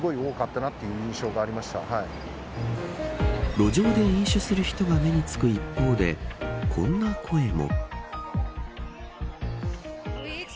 路上で飲酒する人が目につく一方でこんな声も。